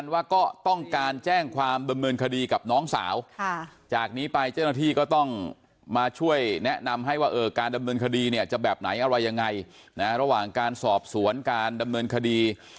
ว่าการดำเนินคดีเนี่ยจะแบบไหนอะไรยังไงระหว่างการสอบสวนการดำเนินคดี